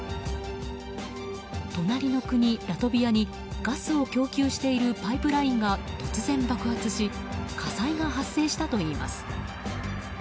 隣の国ラトビアにガスを供給しているパイプラインが突然爆発し火災が発生したといいます。